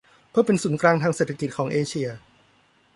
เพื่อเป็นศูนย์กลางทางเศรษฐกิจของเอเชีย